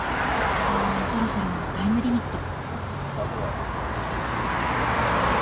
うんそろそろタイムリミット。